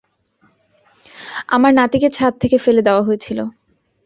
আমার নাতিকে ছাদ থেকে ফেলে দেওয়া হয়েছিল।